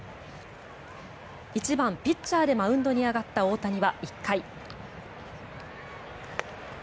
１番ピッチャーでマウンドに上がった大谷は１回。